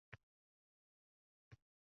Oradan bir muddat oʻtib, hovuz bitdi